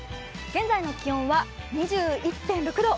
現在の気温は２１．６度。